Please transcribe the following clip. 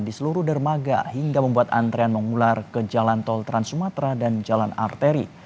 di seluruh dermaga hingga membuat antrean mengular ke jalan tol trans sumatera dan jalan arteri